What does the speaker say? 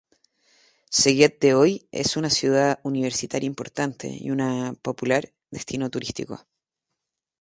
Szeged de hoy es una ciudad de universitaria importante y una popular destino turístico.